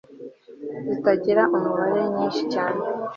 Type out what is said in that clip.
zitagira umubare, nyinshi cyane